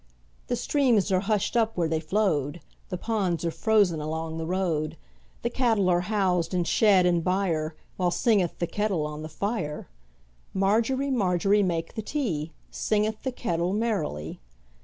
The streams are hushed up where they flowed, The ponds are frozen along the road, The cattle are housed in shed and byreWhile singeth the kettle on the fire. Margery, Margery, make the tea, Singeth the kettle merrily.